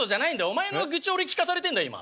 お前の愚痴を俺聞かされてんだ今。